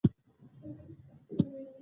شیدې د مور مهرباني ښيي